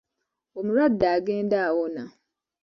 Omulwadde agenda awona.